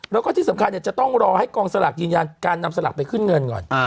แล้วก็ที่สำคัญจะต้องรอให้กองสลากยืนยันการนำสลากไปขึ้นเงินก่อน